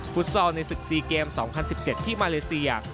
ซอลในศึก๔เกม๒๐๑๗ที่มาเลเซีย